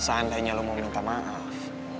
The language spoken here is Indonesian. seandainya lo mau minta maaf